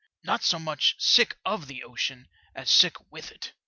Not so much sick of the ocean as sick mth it.